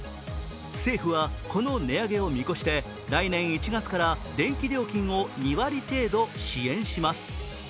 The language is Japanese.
政府はこの値上げを見越して来年１月から電気料金を２割程度支援します。